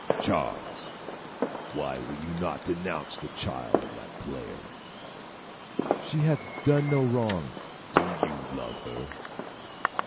Charles, why will you not denounce the child of that player?" "She hath done no wrong." "Do you love her?"